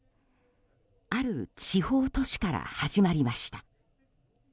ある地方都市から始まりました。